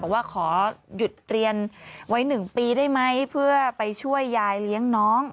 บอกว่าขอหยุดเรียนไว้๑ปีได้ไหมเพื่อไปช่วยยายเลี้ยงน้อง